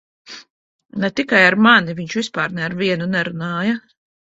Ne tikai ar mani - viņš vispār ne ar vienu nerunāja.